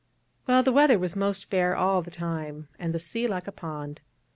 Well, the weather was most fair all the time, and the sea like a pond.